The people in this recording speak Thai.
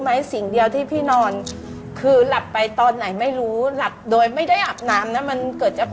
ทำยังไงก็ได้ให้ลูกค้าจับไม่ได้